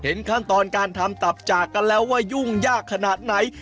ขั้นตอนการทำตับจากกันแล้วว่ายุ่งยากขนาดไหน